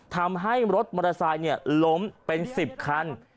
ทำให้รถมอเตอร์ไซค์ล้มเป็น๑๐คัน